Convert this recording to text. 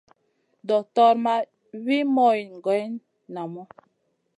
Doktora ma wi moyne geyn namu.